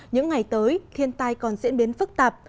những ngày tới thiên tai còn diễn biến phức tạp